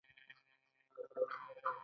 یوه غلطي د بې غوره ډیزاین کوونکو ده.